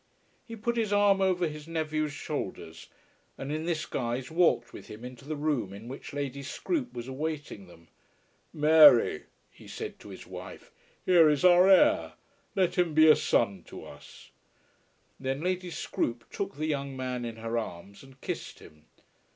He put his arm over his nephew's shoulders, and in this guise walked with him into the room in which Lady Scroope was awaiting them. "Mary," he said to his wife, "here is our heir. Let him be a son to us." Then Lady Scroope took the young man in her arms and kissed him.